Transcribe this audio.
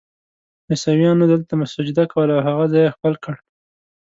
عیسویانو دلته سجده کوله او هغه ځای یې ښکل کړ.